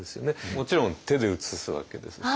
もちろん手で写すわけですし。